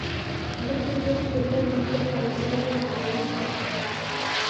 هلته زر کیلو مالګه او دوه زره پیرودونکي شته.